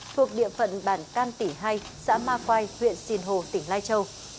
thuộc địa phận bản can tỉ hai xã ma khoai huyện xìn hồ tỉnh lai châu